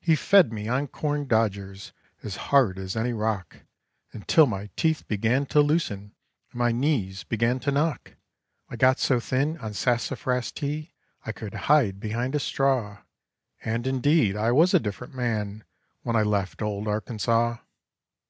He fed me on corn dodgers as hard as any rock, Until my teeth began to loosen and my knees began to knock; I got so thin on sassafras tea I could hide behind a straw, And indeed I was a different man when I left old Arkansaw.